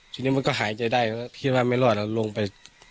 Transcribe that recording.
ทีนี้มันก็หายใจได้ก็คิดว่าไม่รอดแล้วลงไป